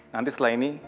nanti setelah ini